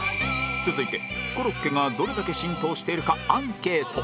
続いてコロッケがどれだけ浸透しているかアンケート